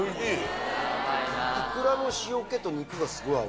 イクラの塩気と肉がすごい合う。